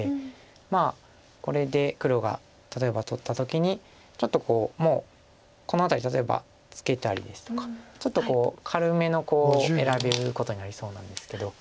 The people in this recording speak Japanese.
まあこれで黒が例えば取った時にちょっとこうもうこの辺り例えばツケたりですとかちょっと軽めのコウを選ぶことになりそうなんですけど。